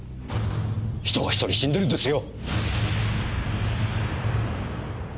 人が１人死んでるんですよ！